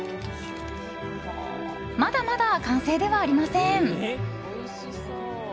まだまだ完成ではありません！